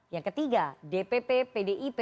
yang ketiga dpp pdip